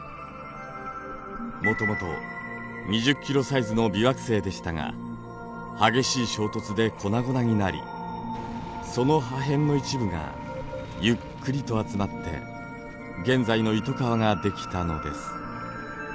もともと２０キロサイズの微惑星でしたが激しい衝突で粉々になりその破片の一部がゆっくりと集まって現在のイトカワができたのです。